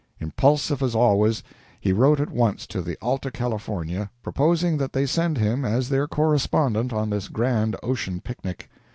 Impulsive as always, he wrote at once to the "Alta California," proposing that they send him as their correspondent on this grand ocean picnic.